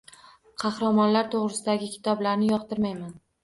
Qahramonlar to`g`risidagi kitoblarni yoqtirmayman